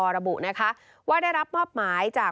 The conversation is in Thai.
ระบุนะคะว่าได้รับมอบหมายจาก